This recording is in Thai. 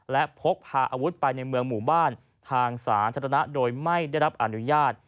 และพกพาอาวุธไปในเมืองหมู่บ้านทางสาธารณะโดยไม่ได้รับอนุญาต